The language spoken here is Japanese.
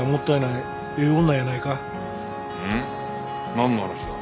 なんの話だ？